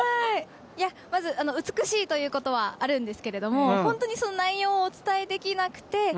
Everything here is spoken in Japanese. まず美しいということはあるんですけれども本当に内容をお伝えできなくて。